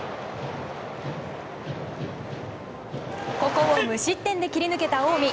ここを無失点で切り抜けた近江。